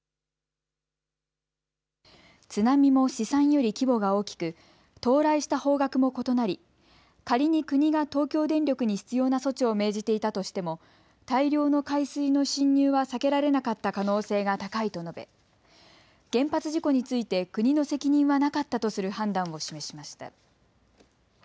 津波も試算より規模が大きく到来した方角も異なり仮に国が東京電力に必要な措置を命じていたとしても大量の海水の浸入は避けられなかった可能性が高いと述べ原発事故について国の責任はなかったとする判断を示しました。